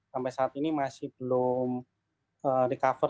sampai saat ini masih belum recover